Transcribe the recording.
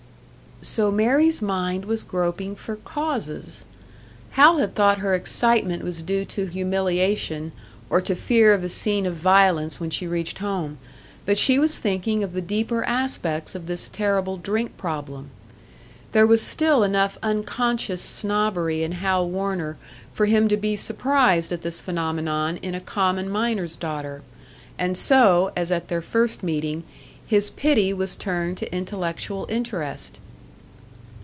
So Mary's mind was groping for causes! Hal had thought her excitement was due to humiliation, or to fear of a scene of violence when she reached home; but she was thinking of the deeper aspects of this terrible drink problem. There was still enough unconscious snobbery in Hal Warner for him to be surprised at this phenomenon in a common miner's daughter; and so, as at their first meeting, his pity was turned to intellectual interest.